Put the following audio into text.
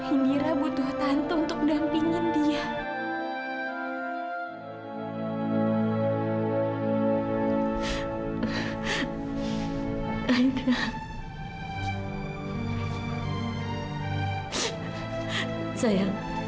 indira butuh tante untuk dampingin dia